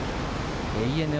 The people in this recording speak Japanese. ＡＮＡ